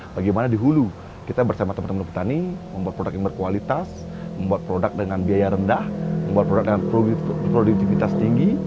bagaimana di hulu kita bersama teman teman petani membuat produk yang berkualitas membuat produk dengan biaya rendah membuat produk dengan produktivitas tinggi